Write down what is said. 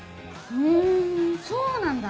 ふんそうなんだ！